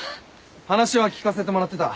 話は聞かせてもらってた。